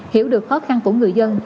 hiểu được khó khăn của người dân